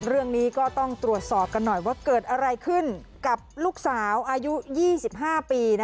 เรื่องนี้ก็ต้องตรวจสอบกันหน่อยว่าเกิดอะไรขึ้นกับลูกสาวอายุ๒๕ปี